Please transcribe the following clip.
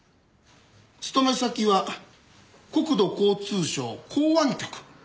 勤め先は国土交通省港湾局。